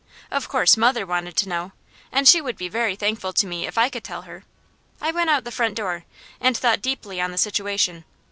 Of course mother wanted to know; and she would be very thankful to me if I could tell her. I went out the front door, and thought deeply on the situation.